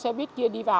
xe buýt thường á